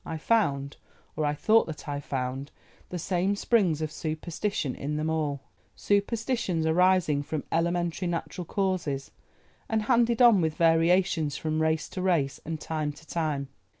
I found, or I thought that I found, the same springs of superstition in them all—superstitions arising from elementary natural causes, and handed on with variations from race to race, and time to time.